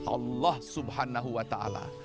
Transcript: allah subhanahu wa ta'ala